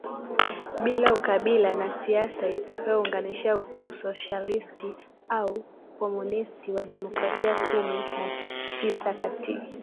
bila ukabila na siasa itakayounganisha usoshalisti au ukomunisti na demokrasia Kumi na tisa Kati